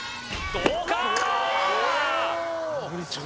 どうか！？